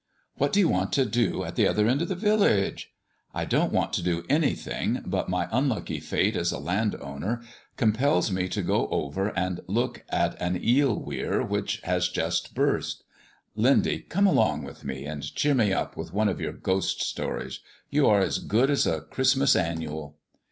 "What do you want to do at the other end of the village?" "I don't want to do anything, but my unlucky fate as a landowner compels me to go over and look at an eel weir which has just burst. Lindy, come along with me, and cheer me up with one of your ghost stories. You are as good as a Christmas annual."